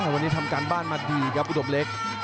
วันนี้ทำการบ้านมาดีครับอุดมเล็ก